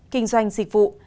kinh doanh dịch vụ